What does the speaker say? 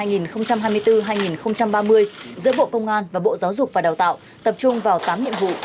giữa bộ công an và bộ giáo dục và đào tạo tập trung vào tám nhiệm vụ